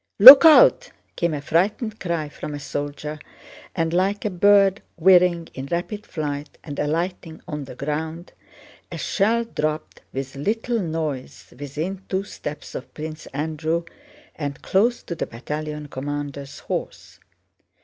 "Look out!" came a frightened cry from a soldier and, like a bird whirring in rapid flight and alighting on the ground, a shell dropped with little noise within two steps of Prince Andrew and close to the battalion commander's horse.